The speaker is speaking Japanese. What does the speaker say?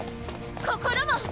心も！